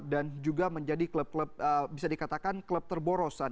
dan juga menjadi klub klub bisa dikatakan terboros